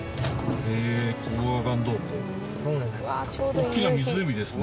大きな湖ですね。